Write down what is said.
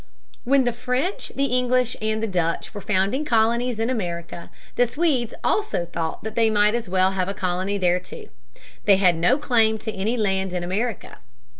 When the French, the English, and the Dutch were founding colonies in America, the Swedes also thought that they might as well have a colony there too. They had no claim to any land in America.